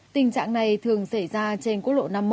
tình trạng này thường xảy ra trên quốc lộ năm mươi một